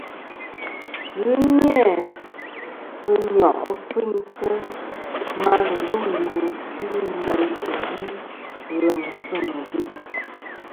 Ghɨ ni-a sɨ nyo' kfiynsɨ ma ghɨlûmnɨ sɨ meyn ɨ wi lèm sɨ mɨbè.